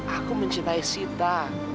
aku mencintai sita